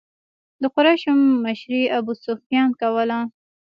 د قریشو مشري ابو سفیان کوله.